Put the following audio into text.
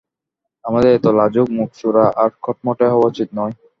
আমাদের এত লাজুক, মুখচোরা আর খটমটে হওয়া উচিৎ নয়।